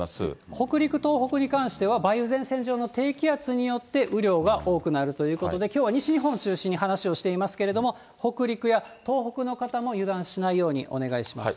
北陸、東北に関しては梅雨前線上の低気圧によって雨量が多くなるということで、きょうは西日本中心に話をしていますけれども、北陸や東北の方も油断しないようにお願いします。